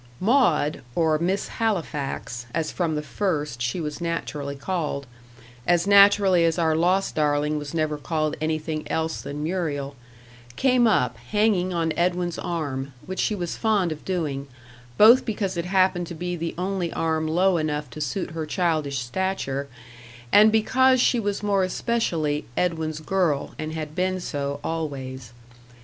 Maud, or Miss Halifax, as from the first she was naturally called as naturally as our lost darling was never called anything else than Muriel came up, hanging on Edwin's arm, which she was fond of doing, both because it happened to be the only arm low enough to suit her childish stature, and because she was more especially "Edwin's girl," and had been so always.